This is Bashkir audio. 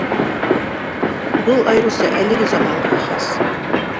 — Был айырыуса әлеге заманға хас.